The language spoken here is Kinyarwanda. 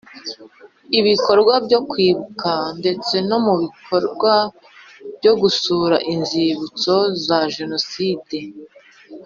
ibikorwa byo kwibuka ndetse no mu bikorwa byo gusura inzibutso za Jenoside